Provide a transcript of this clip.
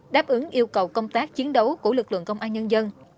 đáp ứng yêu cầu công tác chiến đấu của lực lượng công an nhân dân